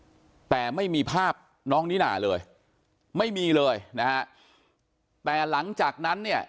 แต่ไม่มีภาพน้องนิน่าเลยไม่มีเลยนะฮะแต่หลังจากนั้นเนี่ย